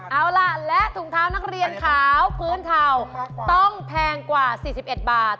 เอาล่ะและถุงเท้านักเรียนขาวพื้นเทาต้องแพงกว่า๔๑บาท